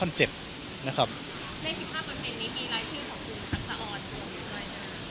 ใน๑๕นี้มีไร่ชื่อของอุงทักษะออนโครงในฐานไหน